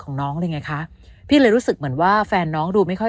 น้องเลยไงคะพี่เลยรู้สึกเหมือนว่าแฟนน้องดูไม่ค่อย